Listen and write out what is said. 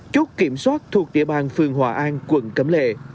chốt kiểm soát thuộc địa bàn phường hòa an quận cấm lệ